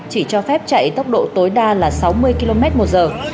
chỉ cho phép chạy tốc độ tối đa là sáu mươi km một giờ